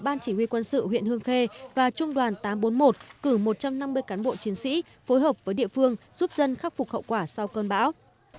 ban chỉ huy quân sự huyện hương khê và trung đoàn tám trăm bốn mươi một cử một trăm năm mươi cán bộ chiến sĩ phối hợp với địa phương giúp dân khắc phục hậu quả sau cơn bão